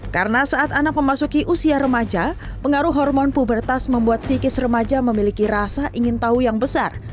karena saat anak memasuki usia remaja pengaruh hormon pubertas membuat psikis remaja memiliki rasa ingin tahu yang besar